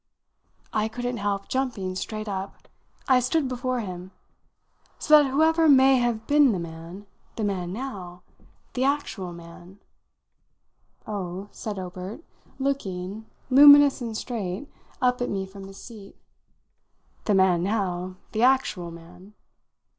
I couldn't help jumping straight up I stood before him. "So that whoever may have been the man, the man now, the actual man " "Oh," said Obert, looking, luminous and straight, up at me from his seat, "the man now, the actual man